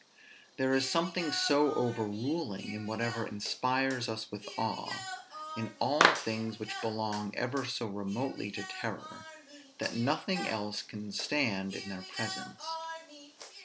There is something so overruling in whatever inspires us with awe, in all things which belong ever so remotely to terror, that nothing else can stand in their presence.